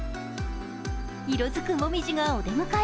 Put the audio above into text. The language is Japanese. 色づく紅葉がお出迎え。